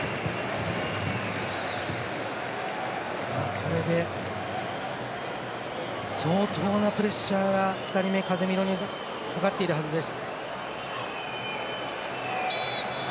これで相当なプレッシャーが２人目、カゼミーロにかかっているはずです。